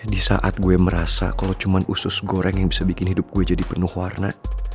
di saat gue merasa kalau cuma usus goreng yang bisa bikin hidup gue jadi penuh warna